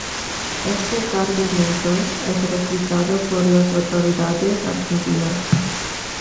Este cargamento es requisado por las autoridades argentinas.